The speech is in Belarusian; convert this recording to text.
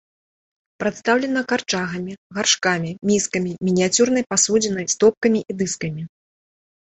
Прадстаўлена карчагамі, гаршкамі, міскамі, мініяцюрнай пасудзінай, стопкамі і дыскамі.